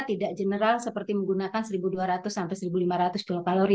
tidak general seperti menggunakan seribu dua ratus sampai seribu lima ratus kalori